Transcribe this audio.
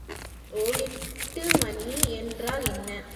ஒல்ட்டுமானி என்றால் என்ன?